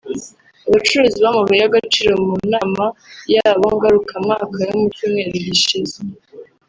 Abacuruzi b’amabuye y’agaciro mu nama yabo ngarukamwaka yo mu cyumweru gishize